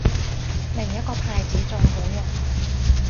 另一個牌子仲好用